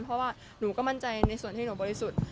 เพราะว่าหนูก็มั่นใจในส่วนที่หนูบริสุทธิ์